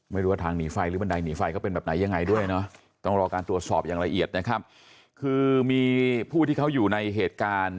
ไม่รู้ว่าทางหนีไฟหรือบันไดหนีไฟเขาเป็นแบบไหนยังไงด้วยเนอะต้องรอการตรวจสอบอย่างละเอียดนะครับคือมีผู้ที่เขาอยู่ในเหตุการณ์